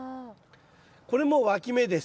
これもわき芽です。